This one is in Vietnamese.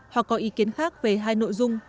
hoặc có ý kiến khác về hai nội dung